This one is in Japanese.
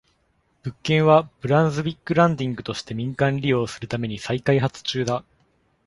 物件は、ブランズウィック・ランディングとして民間利用するために再開発中だ。